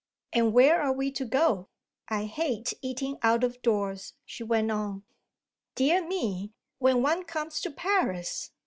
"And where are we to go? I hate eating out of doors," she went on. "Dear me, when one comes to Paris